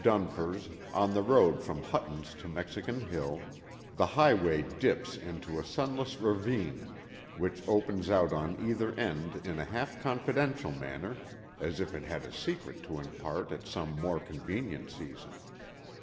Dunfer's, on the road from Hutton's to Mexican Hill, the highway dips into a sunless ravine which opens out on either hand in a half confidential manner, as if it had a secret to impart at some more convenient season.